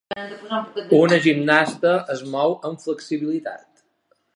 Una gimnasta es mou amb flexibilitat.